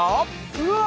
うわ！